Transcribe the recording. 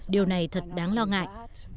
điều này thật đáng lo ngại